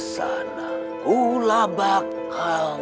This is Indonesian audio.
saya akan menjaga keamanan